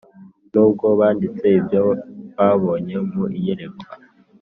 nubwo banditse ibyo babonye mu iyerekwa.